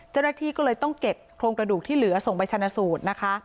เจ้าหน้าที่ก็เลยต้องเก็บโครงกระดูกที่เหลือส่งไปชนะสูตรนะคะ